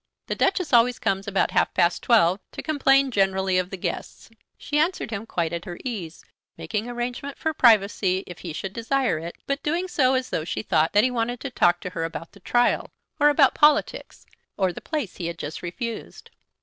The Duchess always comes about half past twelve, to complain generally of the guests." She answered him quite at her ease, making arrangement for privacy if he should desire it, but doing so as though she thought that he wanted to talk to her about his trial, or about politics, or the place he had just refused.